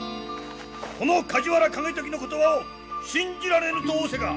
この梶原景時の言葉を信じられぬと仰せか！